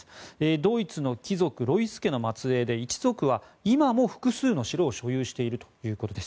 ドイツの貴族ロイス家の末えいで一族は今も複数の城を所有しているということです。